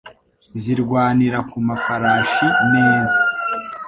zirwanira ku mafarashi neza